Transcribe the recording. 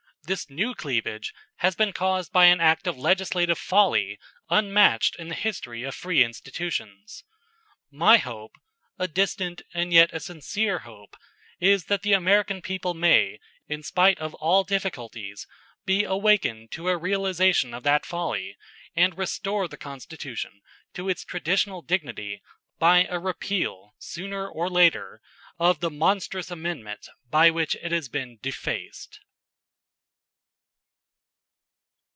This new cleavage has been caused by an act of legislative folly unmatched in the history of free institutions. My hope a distant and yet a sincere hope is that the American people may, in spite of all difficulties, be awakened to a realization of that folly and restore the Constitution to its traditional dignity by a repeal, sooner or later, of the monstrous Amendment by which it has been defaced.